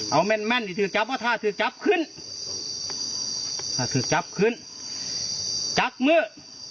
เอาแม่นแม่นที่ถือจับเอาท่าถือจับขึ้นถ้าถือจับขึ้นจับมือ